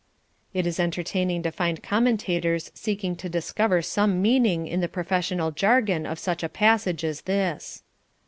It is entertaining to find commentators seeking to discover some meaning in the professional jargon of such a passage as this.